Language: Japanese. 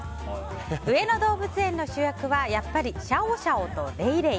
上野動物園の主役はやっぱりシャオシャオとレイレイ。